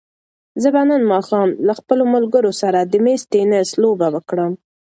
زه به نن ماښام له خپلو ملګرو سره د مېز تېنس لوبه وکړم.